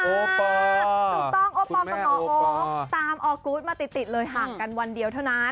โอปอร์ถูกต้องโอปอร์ตามอกุ๊ดมาติดเลยห่างกันวันเดียวเท่านั้น